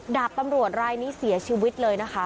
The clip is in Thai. ดาบตำรวจรายนี้เสียชีวิตเลยนะคะ